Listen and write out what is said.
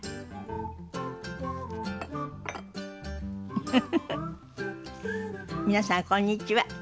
フフフフ皆さんこんにちは。